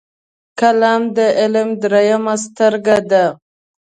قلم د علم دریمه سترګه ده